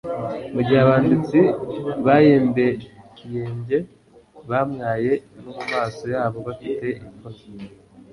mu gihe abanditsi bayembayembye bamwaye, no mu maso yabo bafite ipfunwe.